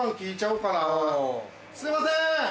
すいません！